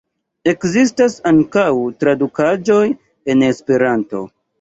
Ekzistas ankaŭ tradukaĵoj en Esperanto.